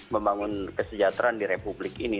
membangun kesejahteraan di republik ini